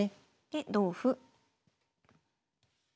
で同歩。